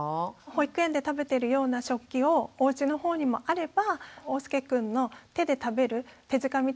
保育園で食べてるような食器をおうちのほうにもあればおうすけくんの手で食べる手づかみ